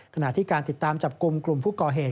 ขณะที่การติดตามจับกลุ่มกลุ่มผู้ก่อเหตุ